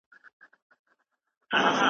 ته ولي له خپلو تصوراتو بهر نه وځې؟